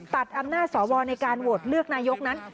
ตัดอำนาจสวในการโหวตเลือกนายกนั้น